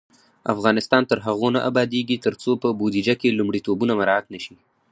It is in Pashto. افغانستان تر هغو نه ابادیږي، ترڅو په بودیجه کې لومړیتوبونه مراعت نشي.